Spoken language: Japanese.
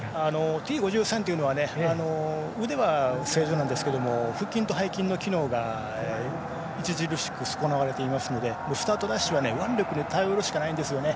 Ｔ５３っていうのは腕は正常なんですけれども腹筋と背筋の機能が著しく損なわれていますのでスタートダッシュは腕力に頼るしかないんですよね。